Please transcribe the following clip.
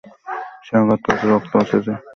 সে আঘাত পেয়েছে, রক্ত আছে যে।